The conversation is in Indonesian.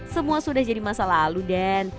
semua sudah jadi masa lalu den